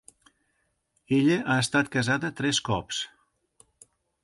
Ella ha estat casada tres cops.